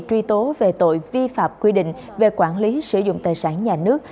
truy tố về tội vi phạm quy định về quản lý sử dụng tài sản nhà nước